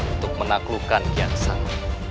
untuk menaklukkan kian santan